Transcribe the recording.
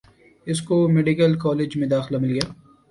اس کو medical college میں داخلہ مل گیا